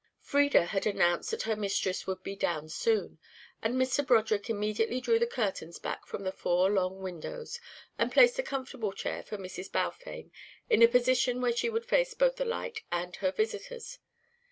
Frieda had announced that her mistress would be "down soon," and Mr. Broderick immediately drew the curtains back from the four long windows, and placed a comfortable chair for Mrs. Balfame in a position where she would face both the light and her visitors.